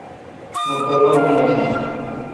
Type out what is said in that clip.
مہ پروا پا نہ تھو۔